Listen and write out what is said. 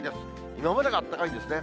今までがあったかいんですね。